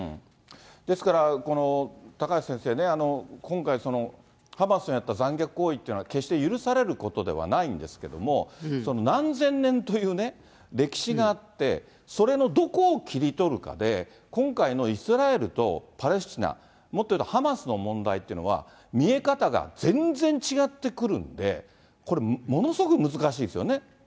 ですから、この高橋先生ね、今回、ハマスによって起きた残虐行為というのは決して許されることではないんですけれども、何千年という歴史があって、それのどこを切り取るかで、今回のイスラエルとパレスチナ、もっと言うとハマスの問題っていうのは、見え方が全然違ってくるんで、これ、ものすごく難しいですよね。